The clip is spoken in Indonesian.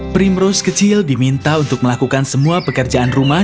primrose kecil diminta untuk melakukan semua pekerjaan rumah